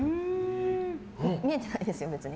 見えてないですよ、別に。